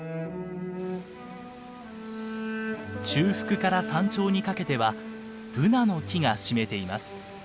中腹から山頂にかけてはブナの木が占めています。